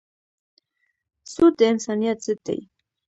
سود د انسانیت ضد دی.